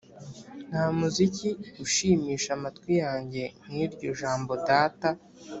“nta muziki ushimisha amatwi yanjye nk'iryo jambo data